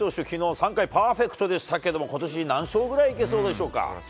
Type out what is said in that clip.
昨日は３回パーフェクトでしたけれども今年、何勝くらいいけそうでしょうか？